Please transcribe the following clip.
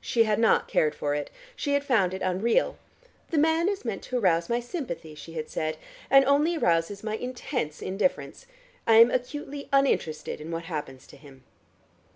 She had not cared for it; she had found it unreal. "The man is meant to arouse my sympathy," she had said, "and only arouses my intense indifference. I am acutely uninterested in what happens to him."